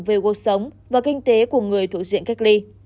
về cuộc sống và kinh tế của người thuộc diện cách ly